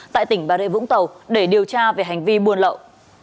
tại tỉnh bà rệ vũng tàu để điều tra về hành vi buôn lậu